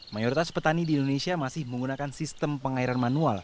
mayoritas petani di indonesia masih menggunakan sistem pengairan manual